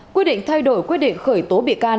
quyết định thay đổi quyết định khởi tố bị can